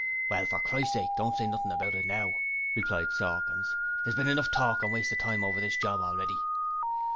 'Well, for Christ's sake don't say nothing about it now,' replied Sawkins. 'There's been enough talk and waste of time over this job already.'